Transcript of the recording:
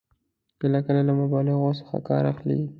کله کله له مبالغو څخه کار اخلي.